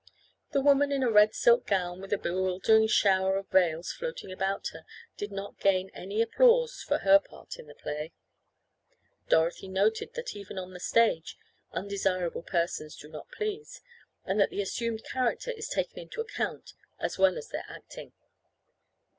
The woman in a red silk gown, with a bewildering shower of veils floating about her, did not gain any applause for her part in the play. Dorothy noted that even on the stage undesirable persons do not please, and that the assumed character is taken into account as well as their acting.